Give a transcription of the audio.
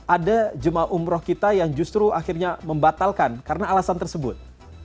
ada jemaah umroh kita yang justru akhirnya membatalkan karena alasan tersebut